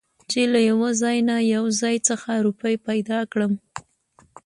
چې له يوه ځاى نه يو ځاى خڅه روپۍ پېدا کړم .